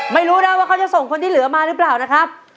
ไม่รู้นะว่าเขาจะส่งคนที่เหลือมาหรือเปล่านะครับ